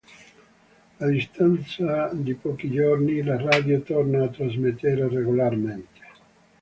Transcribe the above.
A distanza di pochi giorni, la radio torna a trasmettere regolarmente.